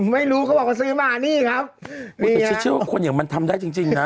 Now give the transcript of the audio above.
ไม่รู้เขาบอกเขาซื้อมานี่ครับฉันเชื่อว่าคนอย่างมันทำได้จริงจริงนะ